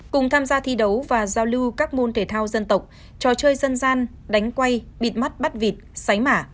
cùng tham gia thi đấu và giao lưu các môn thể thao dân tộc trò chơi dân gian đánh quay bịt mắt bắt vịt sáy mả